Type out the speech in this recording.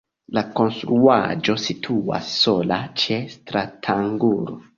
La konstruaĵo situas sola ĉe stratangulo.